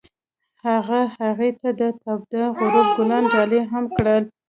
هغه هغې ته د تاوده غروب ګلان ډالۍ هم کړل.